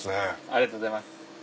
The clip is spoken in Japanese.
ありがとうございます。